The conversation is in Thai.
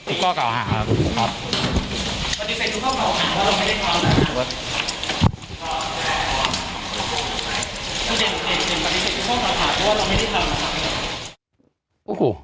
ทุกข้อกาวหาครับขอโทษ